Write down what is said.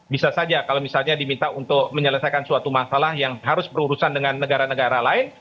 bisa saja kalau misalnya diminta untuk menyelesaikan suatu masalah yang harus berurusan dengan negara negara lain